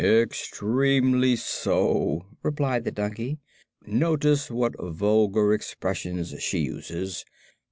"Extremely so," replied the donkey. "Notice what vulgar expressions she uses.